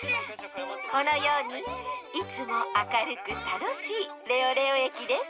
このようにいつもあかるくたのしいレオレオえきです